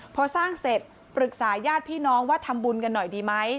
พอสร้างเสร็จปรึกษาญาติพี่น้องว่าทำบุญกันหน่อยดีไหม